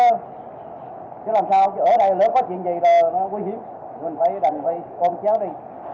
mình phải đành phải con chéo đi